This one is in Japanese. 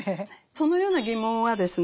そのような疑問はですね